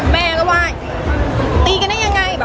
แม่ก็ไหว้ตีกันได้ยังไง